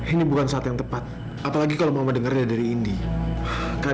ini bukan saat yang tepat atau tante ambar tahu sebenarnya anaknya kan